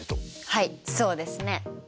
はいそうですね。